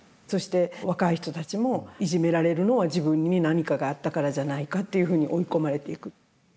そして若い人たちもいじめられるのは自分に何かがあったからじゃないかっていうふうに追い込まれていく。